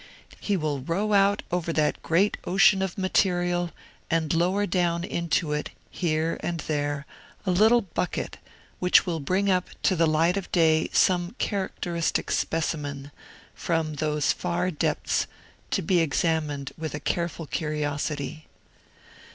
He will row out over that great ocean of material, and lower down into it, here and there, a little bucket, which will bring up to the light of day some characteristic specimen, from those far depths, to be examined with a careful curiosity.